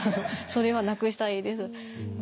それはなくしたいです。